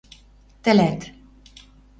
тӹлӓт